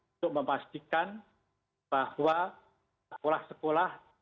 untuk memastikan bahwa sekolah sekolah